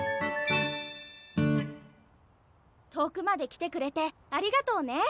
遠くまで来てくれてありがとうね。